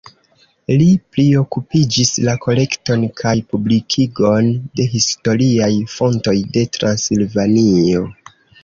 Li priokupiĝis la kolekton kaj publikigon de historiaj fontoj de Transilvanio.